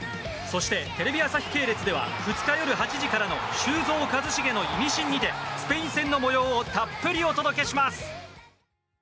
そして、テレビ朝日系列では２日夜８時からの「修造＆一茂のイミシン」にてスペイン戦の模様をたっぷりお届けします。